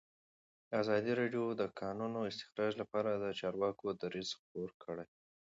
ازادي راډیو د د کانونو استخراج لپاره د چارواکو دریځ خپور کړی.